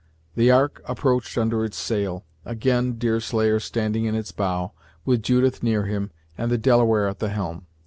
The Ark approached under its sail, again, Deerslayer standing in its bow, with Judith near him, and the Delaware at the helm.